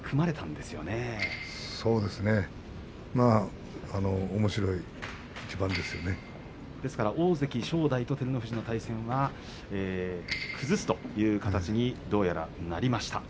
ですから大関正代と照ノ富士の対戦は崩すという形にどうやらなりました。